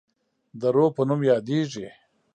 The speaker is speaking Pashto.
د روه په نوم یادیږي.